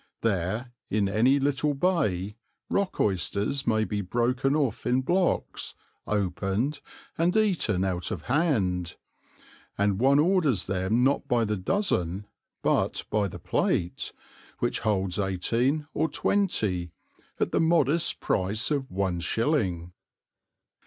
There, in any little bay, rock oysters may be broken off in blocks, opened, and eaten out of hand; and one orders them not by the dozen, but by the plate, which holds eighteen or twenty, at the modest price of one shilling.